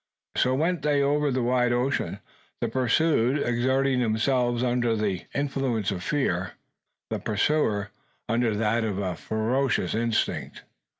So went they over the wide ocean: the pursued exerting themselves under the influence of fear; the pursuer, under that of a ferocious instinct.